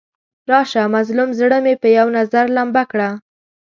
راشه مظلوم زړه مې په یو نظر لمبه کړه.